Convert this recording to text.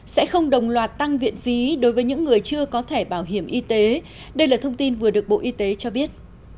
sẽ không đồng loạt tăng viện phí đối với những người chưa có thẻ bảo hiểm y tế đây là thông tin vừa được bộ y tế cho biết